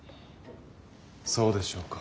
そうでしょうか。